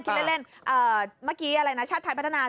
เมื่อกี้ชาติไทยพัฒนา๑๐